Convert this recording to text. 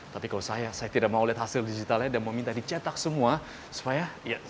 tapi kalau saya saya tidak mau lihat hasil digitalnya dan mau minta dicetak semua supaya lebih seru nanti pak